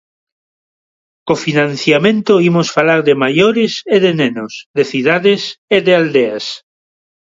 Co financiamento imos falar de maiores e de nenos, de cidades e de aldeas.